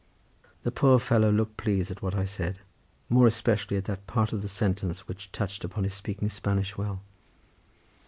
The poor fellow looked pleased at what I said, more especially at that part of the sentence which touched upon his speaking Spanish well.